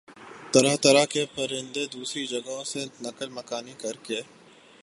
طرح طرح کے پرندے دوسری جگہوں سے نقل مکانی کرکے